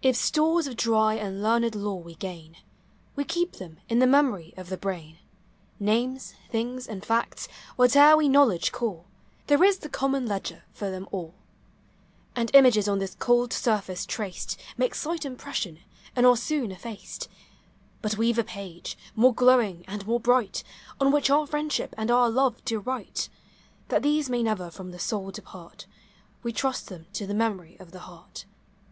If stores of dry and learned lore we gain, We keep them in the memory of the brain; Names, things, and facts, — whate'er we knowl edge call,— There is the common ledger for them all ; And images on this cold surface traced Make slight impression, and are soon effaced. Rut we 've a page, more glowing and more bright, On which our friendship and our love to write; That these may never from the soul depart. We trust them to the memory of the heart.